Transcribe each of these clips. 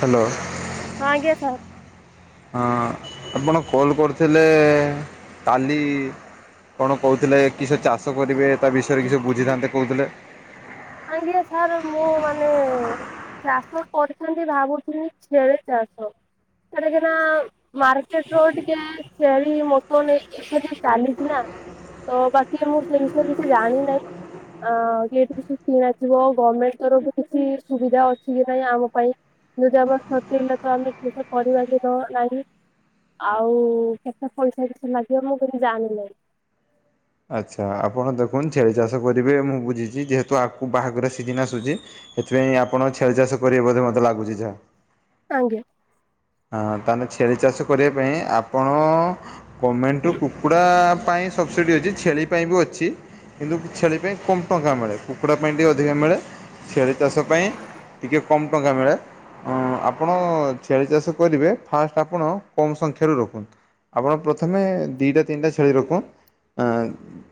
Hello. ହଁ ଆଜ୍ଞା sir ହଁ ଆପଣ କଲ୍ କରୁଥିଲେ କାଲି। କଣ କହୁଥିଲେ କି ସେ ଚାଷ କରିବେ। ତା ବିଷୟରେ କିଛି ସେ ବୁଝିଥାନ୍ତେ କହୁଥିଲେ। ଆଜ୍ଞା ସାର୍ ମୁଁ ମାନେ ଚାଷ କରିଥାନ୍ତି ଭାବୁଥିଲି ଛେଳି ଚାଷ। ସେଟାକିନା ମାର୍କେଟ ରୋଡ ଟିକେ ଛେଳି ମୋଟ ନେଇକି ଚାଲିଛି ନା। ତ ବାକି ମୁଁ ସେ ବିଷୟରେ କିଛି ଜାଣିିନାହିଁ। ଅଁ କିଠ କି କିଣାଯିବ ଗମେଣ୍ଟ ତରଫରୁ କିଛି ସୁବିଧା ଅଛି କି ନାଇଁ ଆମ ପାଇଁ। ଯଦି ଆମ ଠକେଇଲା ତ ଆମେ କିଛି କରିବା କି ନାହିଁ। ଆଉ କେତେ ପଇସା ଏ ବିଷୟରେ ଲାଗିବ ମୁଁ କିନ୍ତୁ ଜାଣିନାହିଁ। ଆଚ୍ଛା ଆପଣ ଦେଖନ୍ତୁ ଛେଳି ଚାଷ କରିବେ ମୁଁ ବୁଝିଛି ଯେହେତୁ ଆଗୁକୁ ବାହାଘର ସିଝିନ ଆସୁଛି। ସେଥିପାଇଁ ଆପଣ ଛେଳି ଚାଷ କରିବେ ବୋଧେ ମତେ ଲାଗୁଛି ଯାହା। ଆଜ୍ଞା। ହଁ ତାହେଲେ ଛେଳି ଚାଷ କରିବା ପାଇଁ ଆପଣ ଗମେଣ୍ଟରୁ କୁକୁଡ଼ା ପାଇଁ ସବସିଡ଼ି ଅଛି ଛେଳି ପାଇଁ ବି ଅଛି। କିନ୍ତୁ ଛେଳି ପାଇଁ କମ୍ ଟଙ୍କା ମିଳେ। କୁକୁଡ଼ା ପାଇଁ ଟିକେ ଅଧିକା ମିଳେ। ଛେଳି ଚାଷ ପାଇଁ ଟିକେ କମ୍ ଟଙ୍କା ମିଳେ। ଉଁ ଆପଣ ଛେଳି ଚାଷ କରିବେ ଫାଷ୍ଟ ଆପଣ କମ୍ ସଂଖ୍ୟାରୁ ରଖନ୍ତୁ। ଆପଣ ପ୍ରଥମେ ଦିଇଟା ତିନିଟା ଛେଳି ରଖ। ଆଁ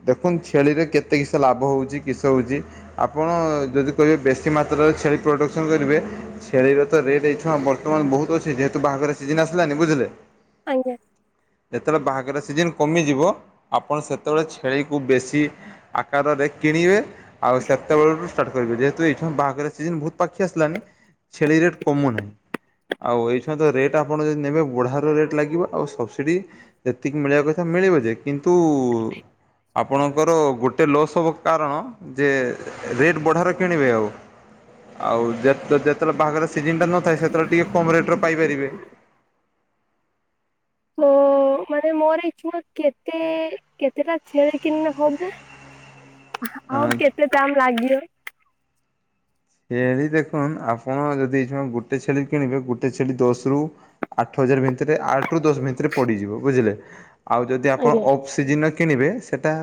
ଦେଖନ୍ତୁ ଛେଳିରେ କେତେ କିସ ଲାଭ ହଉଛି କିସ ହଉଛି। ଆପଣ ଯଦି କହିବେ ବେଶୀ ମାତ୍ରାରେ ଛେଳି ପ୍ରଡ଼କ୍ସନ୍ କରିବେ। ଛେଳିର ତ ରେଟ୍ ଏଇଆ ବର୍ତ୍ତମାନ ବହୁତ ଅଛି। ଯେହେତୁ ବାହାଘର ସିଜିନ ଆସିଲାନି ବୁଝିଲେ। ଆଜ୍ଞା। ଯେତେବେଳେ ବାହାଘର ସିଜନ୍ କମିଯିବ। ଆପଣ ସେତେବେଳେ ଛେଳିକୁ ବେଶୀ ଆକାରରେ କିଣିବେ। ଆଉ ସେତ ବେଳରୁ ଷ୍ଟାର୍ଟ କରିବେ। ଯେହେତୁ ଏଇଠ ବାହାଘର ସିଜନ ବହୁତ ପାଖେଇ ଆସିଲାନି। ଛେଳି ରେଟ କମୁ ନାହିଁ। ଆଉ ଏଇ ନିଖ୍ୟତଃ ରେଟ୍ ଆପଣ ଯଦି ନେବେ ବଢ଼ାର ରେଟ୍ ଲାଗିବ। ଆଉ ସବସିଡ଼ି ଯେତିକି ମିଳିବା କଥା ମିଳିବ ଯେ କିନ୍ତୁ ଆପଣଙ୍କର ଗୋଟେ ଲସ୍ ହେବ। କାରଣ ଯେ ରେଟ୍ ବଢ଼ାର କିଣିବେ ଆଉ। ଆଉ ଯେ ତ ଯେତେବେଳେ ବାହାଘର ସିଜନ ଟା ନଥାଏ ସେତେବେଳେ ଟିକେ କମ ରେଟରେ ପାଇପାରିବେ। ତ ମାନେ ମୋର ଇଛୁ କେତେ କେତେଟା ଛେଳିି କିନଲେ ହବ। [inaudible] ଆଉ କେତେ ଟାଇମ ଲାଗିିବ? ଏଇ ଛେଳି ଦେଖନ୍ତ ଆପଣ ଯଦି ଗୋଟେ ଛେଳି କିଣିବେ ଗୋଟେ ଛେଳି ଦଶରୁ ଆଠ ହଜାର ଭିତରେ ଆଠ ରୁ ଦଶ ଭିତରେ ପଡିଯିବ ବୁଝିଲେ ଆଉ ଯଦି ଆଜ୍ଞା। ଆପଣ ସେଜିନ କିଣିବେ ସେଇଟା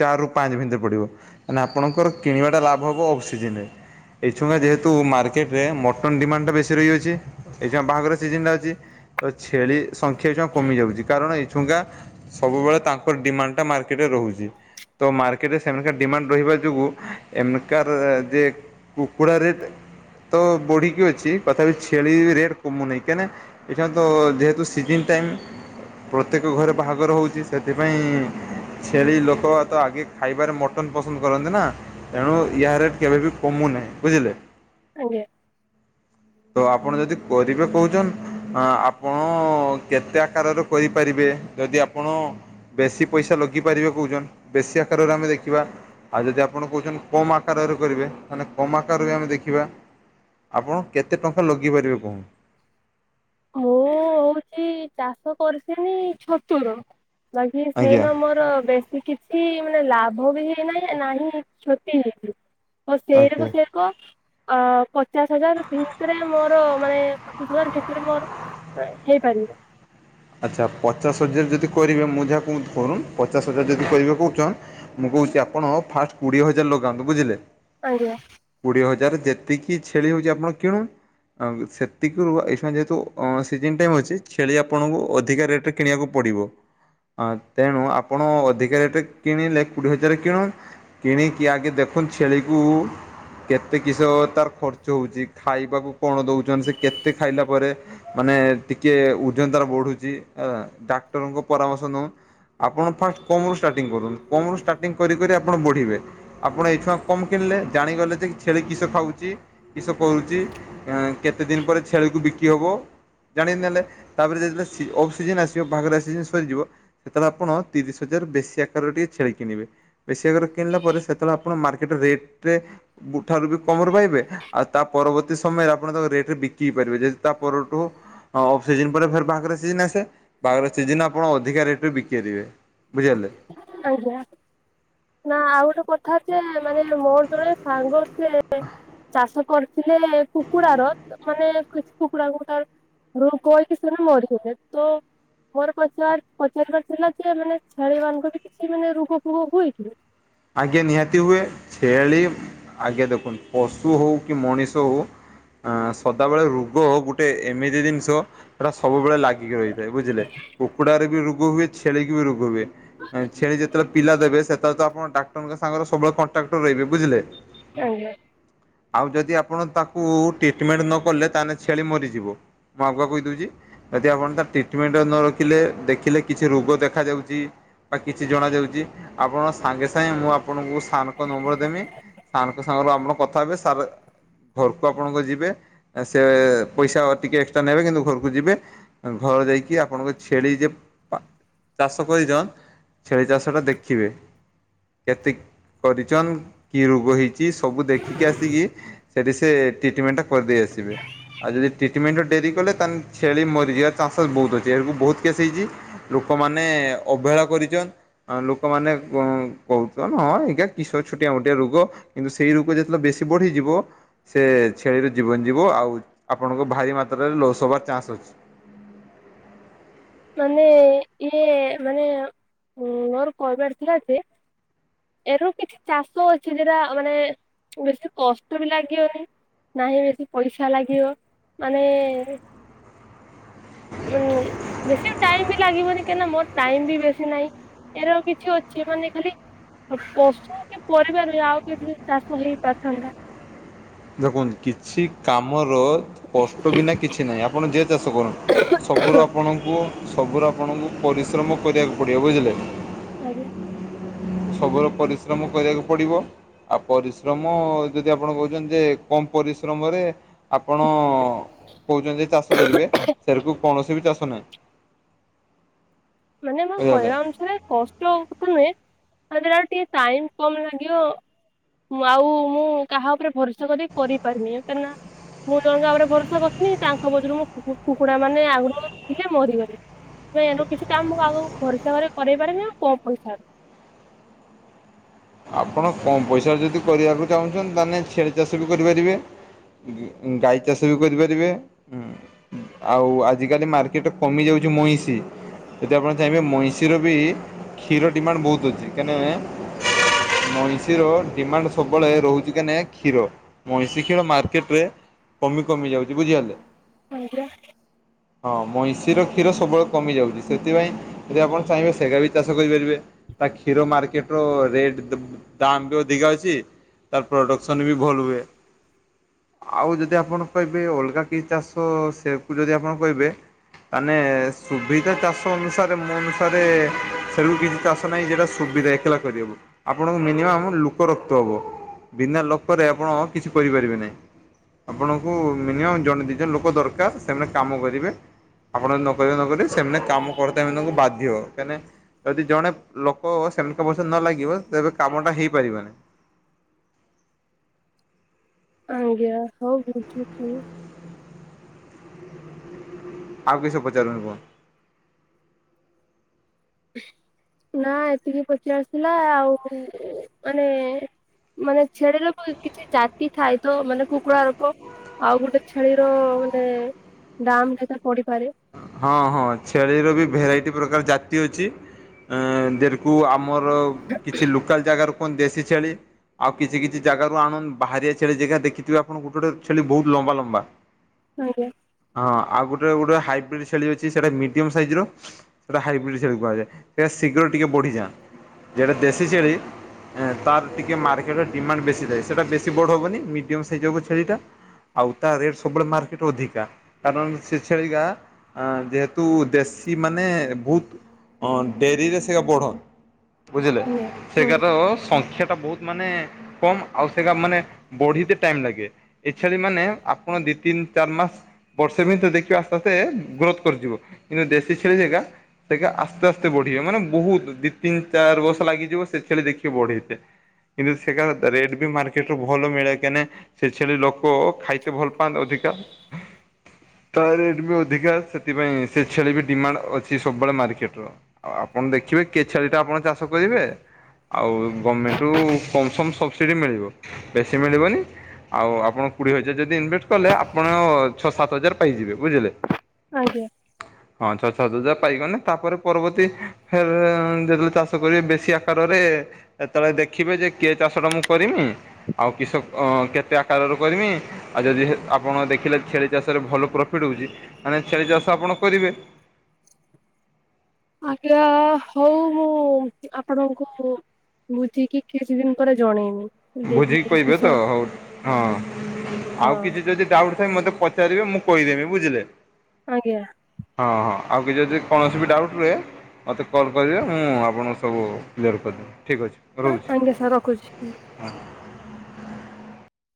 ଚାରିରୁ ପାଞ୍ଚ ଭିତରେ ପଡ଼ିବ ମ ଆପଣଙ୍କ କିଣିବାଟା ଲାଭ ହେବ ଅଫସିଜନରେ। ଏଛୁଆ ଯେହେତୁ ମାର୍କେଟରେ ମଟନ୍ ଡିମାଣ୍ଡଟା ବେଶୀ ରହିଅଛି ଏଛୁଆ ବାହାଘର ସିଜନଟା ଅଛି। ଆ ଛେଳି ସଂଖ୍ୟା ଏଛୁଆ କମି ଯାଉଛି କାରଣ ଏଇଛୁଙ୍କା ସବୁବେଳେ ତାଙ୍କର ଡିମାଣ୍ଡଟା ମାର୍କେଟରେ ରହୁଛି। ତ ମାର୍କେଟରେ ସେମାନକା ଡିମାଣ୍ଡ ରହିବା ଯୋଗୁଁ ଏମକାର ଯେ କୁକୁଡା ରେଟ ତ ବଢିକି ଅଛି ତଥାପି ଛେଳି ରେଟ୍ କମୁନି କାହିଁକି ନା? ଏଇଟାତ ଯେହେତୁ ସିଜିନ ଟାଇମ ପ୍ରତ୍ୟେକ ଘରେ ବାହାଘର ହଉଛି ସେଥିପାଇଁ ଛେଳି ଲୋକ ତ ଆଗେ ଖାଇବାରେ ମଟନ ପସନ୍ଦ କରନ୍ତି ନା ତେଣୁ ୟା ରେଟ କେବେବି କମୁନାହିଁ ବୁଝିଲେ? ଆଜ୍ଞା। ତ ଆପଣ ଯଦି କରିବେ କହୁଛନ ଆପଣ କେତେ ଆକାରରେ କରିପାରିବେ ଯଦି ଆପଣ ବେଶୀ ପଇସା ଲଗିପାରିବେ କହୁଛନ୍ ବେଶୀ ଆକାରରେ ଆମେ ଦେଖିବା? ଆଉ ଯଦି ଆପଣ କହୁଛନ୍ତି କମ ଆକାରରେ କରିବେ ତାହେଲେ କମ ଆକାର ବି ଆମେ ଦେଖିବା? ଆପଣ କେତେ ଟଙ୍କା ଲଗେଇ ପାରିବେ କହଣ? ମୁଁ ହଉଛି ଚାଷ କରିସିିନି ଛତୁର। ବାକି ଆଜ୍ଞା। ସେନା ମୋର ବେଶୀ କି କିଛି ମାନେ ଲାଭ ବି ହେଇନାହିଁ ନାହିଁ କ୍ଷତି ହେଇଛି ଆ ସେ ଓକେ। ଅ ପଚାଶ ହଜାର ଭିତରେ ମୋର ମାନେ ପଚିଶ ହଜାର ସେରେ ମୋର ହେଇପାରିବ? ଆଚ୍ଛା ପଚାଶ ହଜାର ଯଦି କରିବେ ମୁଁ ଯାହା କ କରୁନ୍ ପଚାଶ ହଜାର ଯଦି କରିବେ କହୁଛନ୍? ମୁଁ କହୁଛି ଆପଣ ଫାଷ୍ଟ କୋଡିଏ ହଜାର ଲଗାନ୍ତୁ ବୁଝିଲେ? ଆଜ୍ଞା। କୋଡିଏ ହଜାର ଯେତିକି ଛେଳି ହଉଛି ଆପଣ କିଣନ୍ତୁ। ଆ ସେତିକ ର ଏ ସମୟ ଯେହେତୁ ସିଜନ୍ ଟାଇମ ଅଛି ଛେଳି ଆପଣଙ୍କୁ ଆପଣଙ୍କୁ ଅଧିକା ରେଟ ରେ କିଣିବାକୁ ପଡିବ? ହଁ ତେଣୁ ଆପଣ ଅଧିକା ରେଟରେ କିଣିଲେ କୋଡିଏ ହଜାର କିଣ? କିଣିକି ଆଗେ ଦେଖୁନ୍ତୁ ଛେଳିକୁ କେତେ କିସ ତାର ଖର୍ଚ୍ଚ ହଉଛି ଖାଇବାକୁ? କଣ ଦଉଛନ୍ତି ସେ କେତେ ଖାଇଲା ପରେ ମାନେ ଟିକେ ତାର ବଢୁଛି ଡାକ୍ତରଙ୍କ ପରାମର୍ଶ ନେଉ ଆପଣ ଫାଷ୍ଟ କମରୁ ଷ୍ଟାର୍ଟିଂ କରୁନ୍ତୁ କମରୁ ଷ୍ଟାର୍ଟିଂ କରିକରି ଆପଣ ବଢ଼ିବେ? ଆପଣ ଏଇ ଛୁଆ କମ୍ କିଣିଲେ ଜାଣିଗଲେ ଯେ ଛେଳି କିଷ ଖାଉଛି? କିସ କରୁଛି କେତେ ଦିନ ପରେ ଛେଳିକୁ ବିକି ହବ ଜାଣିନେଲେ? ତାପରେ ଯେତେବେଳେ ଅଫ୍ ସଜିଜନ୍ ଆସିବ ବାହାଘରେ ସିିଜନ୍ ସରିଯିବ। ସେତେବେଳେ ଆପଣ ତିରିଶ ହଜାର ବେଶୀ ଆକାର ଟିକେ ଛେଳି କିଣିବେ? ବେଶୀ ଆକାର କିଣିଲା ପରେ ସେତେବେଳେ ଆପଣ ମାର୍କେଟ ରେଟ ରେ ଠାରୁ ବି କମରେ ପାଇବେ ଆଉ ତା ପରବର୍ତ୍ତୀ ସମୟରେ ଆପଣ ତାଙ୍କ ରେଟରେ ବିକିଇ ପାରିବେ ଯି ତା ପରଠୁ ହଁ ଅଫସିଜନ୍। ବାହାଘର ସିଜିିନ ଆସେ ବାହାଘର ସିଜିନରେ ଆପଣ ଅଧିକା ରେଟରେ ବିକିପାରିବେ ବୁଝିପାରିଲେ? ଆଜ୍ଞା। ନା ଆଉ ଗୋଟେ କଥା ଯେ ମାନେ ମୋର ଜଣେ ସାଙ୍ଗ ସେି ଚାଷ କରି ଥିଲେ କୁକୁଡାର ମାନେ କିଛି କୁକୁଡା [unintelligible] [unintelligible] ସେ ମରି ଗଲେ ତ ମୋର ପଚ ପଚାର ବର୍ଷ ହେଲା ଯେ ମାନେ ଛେଳି ମାନଙ୍କୁ ବି କିଛି ମାନେ ରୋଗ ଫୋଗ ହୁଏ [inaudible] ଆଗେ ନିହାତି ହୁଏ ଛେଳି ଆଗେ ଦେଖନ୍ତୁ ପଶୁ ହଉ କି ମଣିଷ ହଉ ଆଁ ସଦାବେଳେ ରୋଗ ଗୋଟେ ଏମିତି ଜିନିଷ ସେଟା ସବୁବେଳେ ଲା ଗି ରହିଥାଏ ବୁଝିଲେ? କୁକୁଡାରେ ବି ରୋଗ ହୁଏ ଛେଳିି କି ବି ରୋଗ ହୁଏ। ଆ ଛେଳି ଯେତେବେଳେ ପିଲା ଦେବେ ସେତେବେଳେ ତ ଆପଣ ଡାକ୍ତର ଙ୍କ ସାଙ୍ଗରେ ସବୁବେଳେ କଣ୍ଟ୍ରାକ୍ଟ ରେ ରହିବେ ବୁଝିଲେ। [unintelligible] ଆଉ ଯଦି ଆପଣ ତାକୁ ଟ୍ରିଟ୍ମେଣ୍ଟ ନକଲେ ତାହେଲେ ଛେଳି ମରିଯିବ। ମୁଁ ଆଗୁଆ କହିଦଉଛି। ଯଦି ଆପଣ ତା ଟ୍ରିଟ୍ମେଣ୍ଟ ନ ରଖିଲେ ଦେଖିଲେ କିଛି ରୋଗ ଦେଖାଯାଉଛି। ବା କିଛି ଜଣ ଯାଉଛି ଆପଣ ସାଙ୍ଗେ ସା ନାଇଁ ମୁଁ ଆପଣଙ୍କୁ ସାର୍ ଙ୍କ ନମ୍ବର ଦେବି ସାର୍ ଙ୍କ ସାଙ୍ଗରୁ ଆପଣ କଥା ହେବେ ସାର୍ ଘର୍ କୁ ଆପଣଙ୍କ ଯିବେ ଆ ସେ ପଇସା ଟିକେ ଏକ୍ସଟ୍ରା ନେବେ କିନ୍ତୁ ଘରକୁ ଯିବେ। [unintelligible] ଆପଣଙ୍କ ଛେଳି ଯେ ପା ଚାଷ କରିଛ ଛେଳି ଚାଷ ଟା ଦେଖିବେ। କେତେ କରିଛନ୍ କି ରୋଗ ହେଇଛି ସବୁ ଦେଖିକି ଆସିକି ସେଠି ସେ ଟ୍ରିଟ୍ମେନ୍ଟ ଟା କରିଦେଇ ଆସିବେ। ଆଉ ଯଦି ଟ୍ରିଟ୍ମେନ୍ଟ ରେ ଡେରି କଲେ ତାନ୍ ଛେଳିରିଯିବାର ଚାନ୍ସେସ୍ ବହୁତ ଅଛି ଏକୁ ବହୁତ କେ୍ସ୍ ହେଇଛି। ଲୋକମାନେ ଅବହେଳା କରିଛନ୍ ଲୋକମାନେ [unintelligible] ଏ୍ଞା କି ଛୋଟିଆ ମୋଟିଆ ରୋଗ କିନ୍ତୁ ସେଇ ରୋଗ ଯେତେବେଳେ ବେଶୀ ବଢିଯିବ ସେ ଛେଳି ଜୀବନ୍ ଜୀବ ଆଉ ଆପଣଙ୍କ ଭାରି ମାତ୍ରାରେ ଲସ୍ ହେବାର ଚାନ୍ସ ଅଛି। ମାନେ ଇଏ ମାନେ ମୋର୍ [unintelligible] ଥିଲା ଯେ ଏରୁ କିଛି ଚାଷ ଅଛି ଜେରା ମାନେ ବେଶୀ କଷ୍ଟ ବି ଲାଗିିବନି। ନାହିଁ ବେଶୀ ପଇସା ଲାଗିବ ମାନେ ହୁଁ। ବେଶୀ ଟାଇମ୍ ବି ଲାଗିବନି କାଁଇଁନା ମୋର୍ ଟାଇମ୍ ବି ବେଶୀ ନହିଁ ଏହାର କିଛି ଅଛି ମାନେ ଖାଲି ପଶୁ କି ପରିବାରେ ଆଉ କିଛି ଚାଷ ହେଇ ପାରିଥାନ୍ତା। ଦେଖନ୍ତୁ କିଛି କାମର କଷ୍ଟ ବିନା କିଛି ନାହିଁ ଆପଣ ଯିଏ ଚାଷ କରନ୍ତୁ। ସବୁୁର ଆପଣଙ୍କୁ ସବୁୁର ଆପଣଙ୍କୁ ପରିଶ୍ରମ କରିବାକୁ ପଡ଼ିବ ବୁଝିଲେ? [unintelligible] ସବୁର ପରିଶ୍ରମ କରିବାକୁ ପଡ଼ିବ। ଆଉ ପରିଶ୍ରମ ଯଦି ଆପଣ କହୁଛନ୍ତି ଯେ କମ୍ ପରିଶ୍ରମରେ ଆପଣ କହୁଛନ୍ତି ଚାଷ କରିବେ ସେରୁକୁ କୌଣସି ବି ଚାଷ ନାହିଁ। ମାନେ ମ ବୁଝିଗଲେ। କହିବା ଅନୁସାରେ କଷ୍ଟ ନୁହେଁ [unintelligible] ଟିକେ ଟାଇମ୍ କମ୍ ଲାଗିବ। ମୁଁ ଆଉ ମୁଁ କାହା ଉପରେ ଭର୍ସା କରିି କରିପାରିନି [unintelligible] ମୁଁ ଜଣଙ୍କାବରେ ଭରଷା [unintelligible] ତାଙ୍କ ବୋଜରୁ ମୁଁ କୁକୁଡା ମାନେ ଆଗରୁ ଥିଲେ ମରିଗଲେ। [unintelligible] ଆପଣ କମ୍ ପଇସା ଯଦି କରିବାକୁ ଚାହୁଁଛନ୍ତି ତାନେ ଛେଳି ଚାଷ ବି କରିପାରିବେ। ଗାଈ ଚାଷ ବି କରିପାରିବେ ଉଁ। ଆଉ ଆଜିକାଲି ମାର୍କେଟ୍ କମି ଯାଉଛି ମଇଁଷି। ଯଦି ଆପଣ ଚାହିଁବେ ମଇଁଷିର ବି କ୍ଷୀର ଡିମାଣ୍ଡ ବହୁତ ଅଛି କାନାଁ ମଇଁଷିର ଡିମାଣ୍ଡ ସବୁବେଳେ ରହୁଛି କାନେ କ୍ଷୀର ମଇଁଷି କ୍ଷୀର ମାର୍କେଟ୍ ରେ କମି କମି ଯାଉଚି ବୁଝିପାରିଲେ? ଆଜ୍ଞା। ହଁ ମଇଁଷିର କ୍ଷୀର ସବୁବେଳେ କମି ଯାଉଚି ସେଥିପାଇଁ ଯଦି ଆପଣ ଚାହିଁବେ ସେଗା ବି ଚାଷ କରିପାରିବେ ତା କ୍ଷୀର ମାର୍କେଟର ରେଟ୍ ଦବ୍ ଦାମ୍ ବି ଅଧିକା ଅଛି ତାର ପ୍ରଡକ୍ସନ୍ ବି ଭଲ୍ ହୁଏ। ଆଉ ଯଦି ଆପଣ କହିବେ ଅଲଗା କି ଚାଷ ସେ କୁ ଯଦି ଆପଣ କହିବେ ମାନେ ସୁବିଧା ଚାଷ ଅନୁସାରେ ମୋ ଅନୁସାରେ ସେ [unintelligible] କିଛି ଚାଷ ନାହିଁ ଯେଟା ସୁବିଧାଏ କେଲା କରି ହବ। ଆପଣଙ୍କୁ ମିନିମମ୍ ଲୁକ ରକତେ ହବ ବିନା ଲକରେ ଆପଣ କିଛି କରିପାରିବେ ନାହିଁ। ଆପଣଙ୍କୁ ମିନିମମ୍ ଜଣେ ଦି ଜଣ ଲୋକ ଦରକାର ସେମାନେ କାମ କରିବେ। ଆପଣ ଯଦି ନ କରିବେ ନ କରିବେ ସେମାନେ କାମ କରତେ ମାନଙ୍କୁ ବାଧ୍ୟ କାହିଁ ନା ଯଦି ଜଣେ ଲୋକ ସେମିତିକା ପଛେରେ ନ ଲାଗିବ ତେବେ କାମଟା ହେଇପାରିବନ। ଆଜ୍ଞା ହଉ ରଖୁଛି। ଆଉ କିସ ପଚାରୁୁ [unintelligible] ନା ଏତିକି ପଚି ଆସିଥିଲା ଆଉ ଉଁ ମାନେ ମାନେ ଛେଳିର ତ କିଛି ଜାତି ଥାଏ ତ ମାନେ କୁକୁଡାରୋକ ଆଉ ଗୋଟେ ଛେଳିର ମାନେ ଦାମ୍ କେତେ ପଡିିପାରେ? ହଁ ହଁ ଛେଳିର ବି ଭେରାଇଟି ପ୍ରକାର ଜାତି ଅଛି। ଏଁ ଦେରକୁ ଆମର କିଛି ଲୋକାଲ୍ ଜାଗାର କୁହନ୍ତି ଦେଶୀ ଛେଳି। ଆଉ କିଛି କିଛି ଜାଗାରୁ ଆଣୁନ୍ ବାହାରିଆ ଛେଳି ଜେଗା ଦେଖିଥିବେ ଆପଣ ଗୋଟେ ଗୋଟେ ଛେଲି ବୋହୁତ ଲମ୍ବା ଲମ୍ବା। ହ [inaudible] ଆଜ୍ଞା। ହଁ ଆଉ ଗୁଟେ ଗୁଟେ ହାଇ ବ୍ରିଡ୍ ଛେଳି ଅଛି ସେଟା ମିଡିୟମ୍ ସାଇଜର ସେଟା ହାଇବ୍ରିଡ୍ ଛେଳି କୁହାଯାଏ ଏଡା ଶୀଘ୍ର ଟିକେ ବଢିଯାଆଁ ଯେଡା ଦେଶୀ ଛେଳି ଏଁ ତାର ଟିକେ ମାର୍କେଟରେ ଡିମାଣ୍ଡ ବେଶୀ ଯାଏ ସେଇଟା ବେଶୀ ବଡ ହବନି ମିଡିୟମ୍ ସାଇଜ ହବ ଛେଳିଟା‌। ଆଉ ତା ରେଟ୍ ସବୁବେଳେ ମାର୍କେଟରେ ଅଧିକା କାରଣ ସେ ଛେଳିିଗା ଆଁ ଯେହେତୁ ଦେଶୀ ମାନେ ଭୋଉତ ଅଁ ଡେରିରେ ସେଇଆ ବଢନ୍ ବୁଝିଲେ ଆଜ୍ଞା ହଁ ସେଗାର ସଂଖ୍ୟାଟା ବୋହୁତ ମାନେ କମ୍ ଆଉ ସେଗା ମାନେ ବଢିତେ ଟାଇମ୍ ଲାଗେ। ଏଇ ଛେଳିମାନେ ଆପଣ ଦି ତିନି ଚାର୍ ମାସ୍ ବର୍ଷେ ଭିତେରେ ଦେଖିବେ ଆସ୍ତେ ଆସ୍ତେ ଗ୍ରୋଥ୍ କରିଯିବ କିନ୍ତୁ ଦେଶୀ ଛେଳି ଜେଗା ସେଗା ଆସ୍ତେ ଆସ୍ତେ ବଢିବେ ମାନେ ବୋହୁତ ଦି ତିନି ଚାର୍ ବର୍ଷ ଲାଗିଯିବ ସେ ଛେଳି ଦେଖିବେ ବଢେଇତେ। କିନ୍ତୁ ସେଗାର ରେଟ୍ ବି ମାର୍କେଟରୁ ଭଲ ମିଳେ କେନେ ସେ ଛେଳି ଲୋକ ଖାଇତେ ଭଲ ପାଆନ୍ତ୍ ଅଧିକା ତା ରେଟ୍ ବି ଅଧିକା। ସେଥିପାଇଁ ସେ ଛେଳି ବି ଡିମାଣ୍ଡ ଅଛି ସବୁବେଳେ ମାର୍କେଟର। ଆଉ ଆପଣ ଦେଖିବେ କେ ଛେଳିଟା ଆପଣ ଚାଷ କରିବେ। ଆଉ ଗମେଣ୍ଟରୁୁ କମ୍ ସମ୍ ସବସିଡି ମିଳିବ ବେଶୀ ମିଳିବନି। ଆଉ ଆପଣ କୁଡିଏ ହଜାର ଯଦି ଇନଭେଷ୍ଟ କଲେ ଆପଣ ଛଅ ସାତ ହଜାର ପାଇଯିବେ ବୁଝିଲେ। ଆଜ୍ଞା। ହଁ ଛଅ ସାତ ହଜାର ପାଇଗନେ ତାପରେ ପରବର୍ତ୍ତୀ ଫେରେ ଉଁ ଯେତେବେଳେ ଚାଷ କରିବେ ବେଶୀ ଆ କାରରେ ଏତେବେଳେ ଦେଖିବେ ଯେ କେ ଚାଷଟା ମୁଁ କରିମି। ଆଉ କିସ ଅଁ କେତେ ଆକାରରୁ କରମି। ଆଉ ଯଦି ହେ ଆପଣ ଦେଖିଲେ ଛେଳି ଚାଷରେ ଭଲ ପ୍ରଫିଟ୍ ହଉଚି ମାନେ ଛେଳି ଚାଷ ଆପଣ କରିବେ। ଆଜ୍ଞା ହଉ ମୁଁ ଆପଣୁଙ୍କୁ ବୁଝିକି କିଛି ଦିନ ପରେ ଜଣେଇମୀ। ବୁଝିକି କହିବେ ତ ହଉ ହଁ ଆଉ ହଁ କିଛି ଯଦି ଡାଉଟ୍ ଥାଏ ମତେ ପ ପଚାରିବେ ମୁଁ କହିଦେବି ବୁଝିଲେ। ଆଜ୍ଞା। ହଁ ହଁ ଆଉ କି ଯଦି କୌଣସି ବି ଡାଉଟ୍ ରୁହେ ମୋତେ କଲ୍ କରିବେ ମୁଁ ଆପଣଙ୍କୁ ସବୁ କ୍ଲିୟର କରିଦେବି ଠିକ୍ ଅଛି। ରହୁଛି। ଆଜ୍ଞା ସାର୍ ରଖୁଛି ହୁଁ। [inaudible]